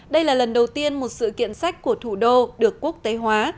đây là lần đầu tiên một sự kiện sách của thủ đô được quốc tế hóa